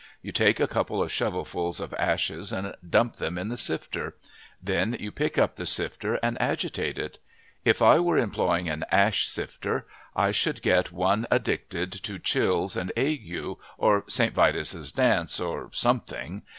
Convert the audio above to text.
You take a couple of shovelsful of ashes and dump them in the sifter. Then you pick up the sifter and agitate it. If I were employing an ash sifter, I should get one addicted to chills and ague, or St. Vitus' dance, or something.